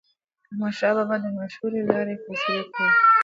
احمدشاه بابا به د مشورو له لارې فیصلې کولې.